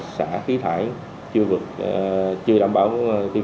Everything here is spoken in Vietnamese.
xã khí thải chưa đảm bảo tiêu chứng